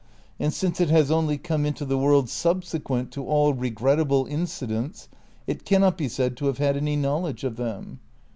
And since it has only come into the world subsequent to all regrettable incidents, it cannot be said to have had any knowledge of them.